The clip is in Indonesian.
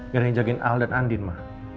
gak ada yang jagain al dan andin ma